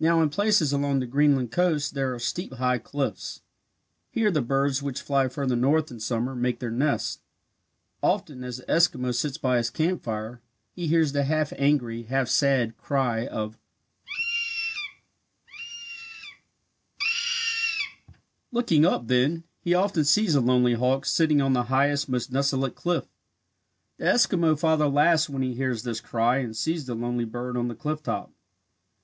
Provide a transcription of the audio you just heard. Now in places along the Greenland coast there are steep high cliffs. Here the birds which fly farther north in summer make their nests. Often, as the Eskimo sits by his campfire, he hears the half angry, half sad cry of "Kea! Kea! Kea!" Looking up then, he often sees a lonely hawk sitting on the highest, most desolate cliff. The Eskimo father laughs when he hears this cry and sees the lonely bird on the cliff top.